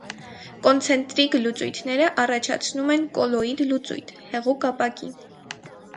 Կոնցենտրիկ լուծույթները առաջացնում են կոլոիդ լուծույթ՝ «հեղուկ ապակի»։